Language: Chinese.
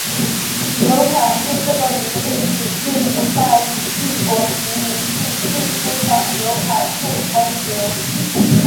纽卡素这个名字取自于大英帝国殖民地秘书长纽卡素公爵。